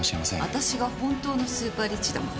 私が本当のスーパーリッチだもの。